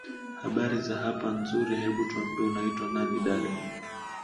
habari za hapa nzuri hebu twambie unaitwa nani dada